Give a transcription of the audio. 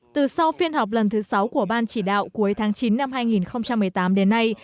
từ sau phiên họp lần thứ sáu của ban chỉ đạo cuối tháng chín năm hai nghìn một mươi tám đến nay